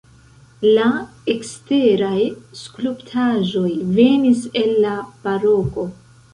La eksteraj skulptaĵoj venis el la baroko.